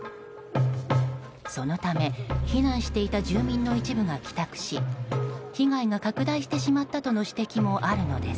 そのため避難していた住民の一部が帰宅し被害が拡大してしまったとの指摘もあるのです。